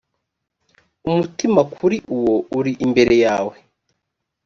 umutima kuri uwo uri imbere yawe